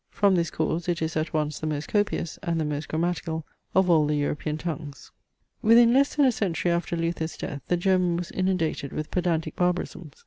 From this cause it is at once the most copious and the most grammatical of all the European tongues. Within less than a century after Luther's death the German was inundated with pedantic barbarisms.